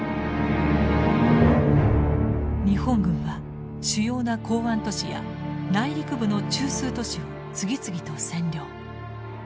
日本軍は主要な港湾都市や内陸部の中枢都市を次々と占領。